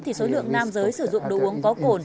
tổng lượng tiêu thụ đồ uống có cồn